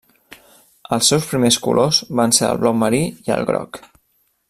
Els seus primers colors van ser el blau marí i el groc.